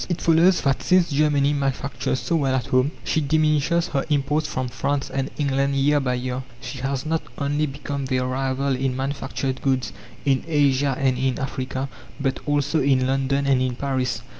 It follows that since Germany manufactures so well at home, she diminishes her imports from France and England year by year. She has not only become their rival in manufactured goods in Asia and in Africa, but also in London and in Paris.